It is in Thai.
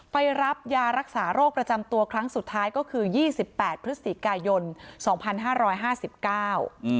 ไปรับยารักษาโรคประจำตัวครั้งสุดท้ายก็คือยี่สิบแปดพฤศจิกายนสองพันห้าร้อยห้าสิบเก้าอืม